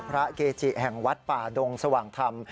เกจิแห่งวัดป่าดงสว่างธรรม